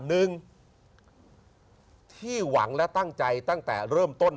หนึ่งที่หวังและตั้งใจตั้งแต่เริ่มต้น